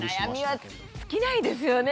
悩みは尽きないですよね。